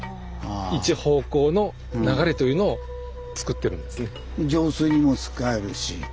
一方向の流れというのをつくってるんですね。